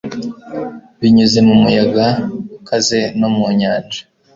Binyuze mu muyaga ukaze no mu nyanja